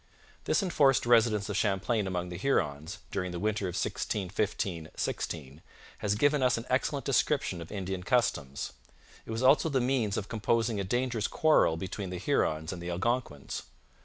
This enforced residence of Champlain among the Hurons during the winter of 1615 16 has given us an excellent description of Indian customs. It was also the means of composing a dangerous quarrel between the Hurons and the Algonquins.